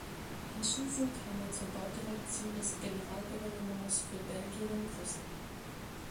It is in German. Anschließend kam er zur Baudirektion des Generalgouvernements für Belgien in Brüssel.